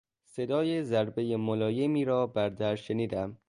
صدای ضربهی ملایمی را بر در شنیدم.